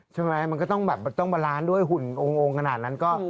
ใช่ไหมมันก็ต้องบาลานซ์ด้วยหุ่นโอ่งกนาดนั้น